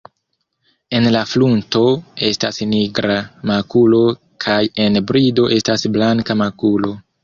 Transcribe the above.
En la frunto estas nigra makulo kaj en brido estas blanka makulo.